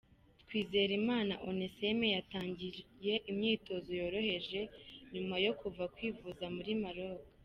Twizerimana Onesme yatangiye imyitozo yoroheje nyuma yo kuva kwivuza muri Maroc.